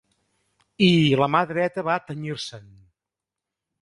...i la mà dreta va tenyir-se'n.